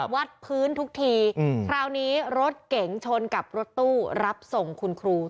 วัดพื้นทุกทีคราวนี้รถเก๋งชนกับรถตู้รับส่งคุณครู